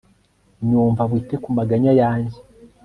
nyumva, wite ku maganya yanjye